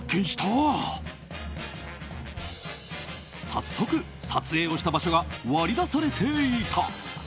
早速、撮影をした場所が割り出されていた。